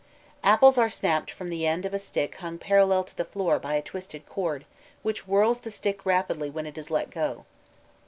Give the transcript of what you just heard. Apples are snapped from the end of a stick hung parallel to the floor by a twisted cord which whirls the stick rapidly when it is let go.